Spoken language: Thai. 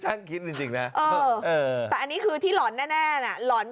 ทางผู้ชมพอเห็นแบบนี้นะทางผู้ชมพอเห็นแบบนี้นะ